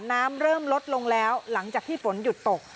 น้ำเริ่มลดลงแล้วหลังจากที่ฝนหยุดตก